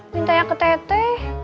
pintanya ke tete